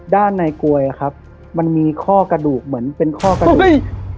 ด้านในกลวยครับมันมีข้อกระดูกเหมือนเป็นข้อกระดูก